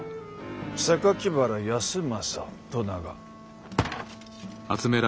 「原康政」と名が。